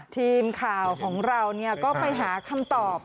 ทีมข่าวของเราก็ไปหาคำตอบ